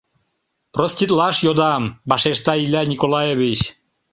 — Проститлаш йодам, — вашешта Илья Николаевич.